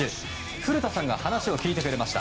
古田さんが話を聞いてくれました。